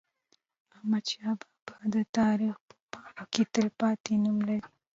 احمدشاه بابا د تاریخ په پاڼو کې تلپاتې نوم لري.